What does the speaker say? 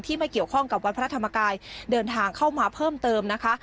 ไม่เกี่ยวข้องกับวัดพระธรรมกายเดินทางเข้ามาเพิ่มเติมนะคะ